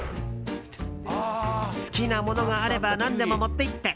好きなものがあれば何でも持って行って。